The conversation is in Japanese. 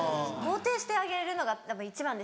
肯定してあげるのが一番です。